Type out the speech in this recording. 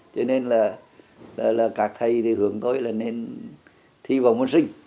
cho nên là các thầy thì hướng tôi là nên thi vào môn sinh